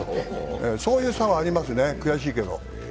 そういう差はありますね、悔しいけど。